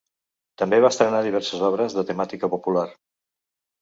També va estrenar diverses obres de temàtica popular.